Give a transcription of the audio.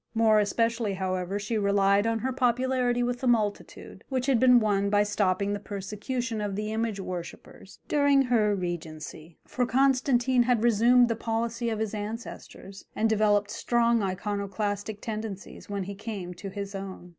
More especially, however, she relied on her popularity with the multitude, which had been won by stopping the persecution of the image worshippers during her regency, for Constantine had resumed the policy of his ancestors and developed strong Iconoclastic tendencies when he came to his own.